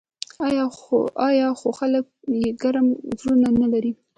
آیا خو خلک یې ګرم زړونه نلري؟